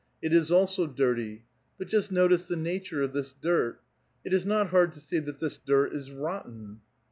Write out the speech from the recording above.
It is also dirty. But just notice the nature of this dirt. It is not hard to see that this dirt is rotten."